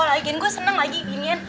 lagi lagi gue senang lagi beginian